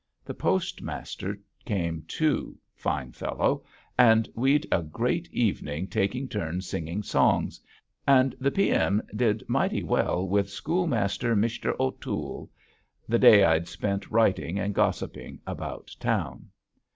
The postmaster came too, fine fellow, and we'd a great evening taking turns singing songs and the P. M. did mighty well with "School master Mishter O'Toole." The day I'd spent writing and gossiping about town.